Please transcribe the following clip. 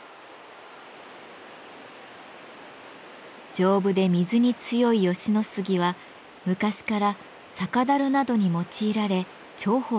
丈夫で水に強い吉野杉は昔から酒樽などに用いられ重宝されてきました。